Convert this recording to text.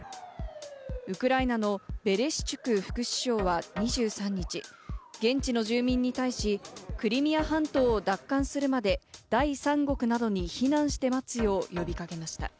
ウクライナのベレシチュク副首相は２３日、現地の住民に対し、クリミア半島を奪還するまで、第三国などに避難して待つよう呼び掛けました。